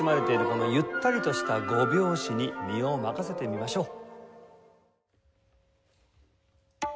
このゆったりとした５拍子に身を任せてみましょう。